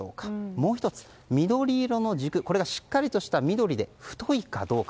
もう１つ、緑色の軸がしっかりとした緑で太いかどうか。